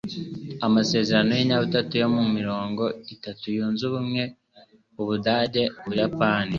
Amasezerano y’inyabutatu yo muri mirongo itanu yunze ubumwe Ubudage, Ubuyapani